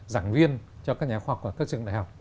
giảng viên cho các nhà khoa học và các trường đại học